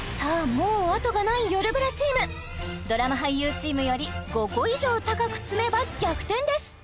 もう後がないよるブラチームドラマ俳優チームより５個以上高く積めば逆転です